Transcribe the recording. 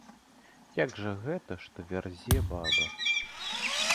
Як жа гэта, што вярзе баба?